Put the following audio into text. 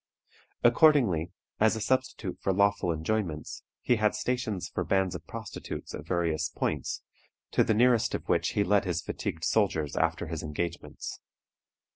Accordingly, as a substitute for lawful enjoyments, he had stations for bands of prostitutes at various points, to the nearest of which he led his fatigued soldiers after his engagements.